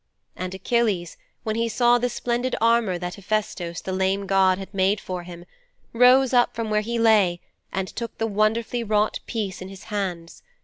'And Achilles, when he saw the splendid armour that Hephaistos the lame god had made for him, rose up from where he lay and took the wonderfully wrought piece in his hands.